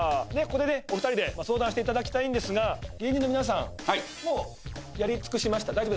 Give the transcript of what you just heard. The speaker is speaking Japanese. ここでねお二人で相談していただきたいんですが芸人の皆さんやり尽くしました？